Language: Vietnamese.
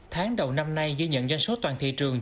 tháng đầu năm nay ghi nhận doanh số toàn thị trường